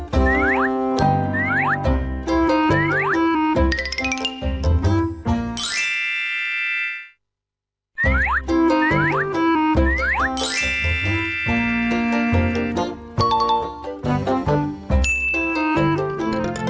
โปรดติดตามตอนต่อไป